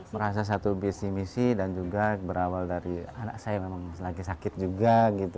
merasa satu visi misi dan juga berawal dari anak saya memang lagi sakit juga gitu